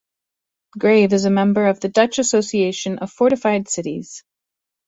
Grave is a member of the Dutch Association of Fortified Cities.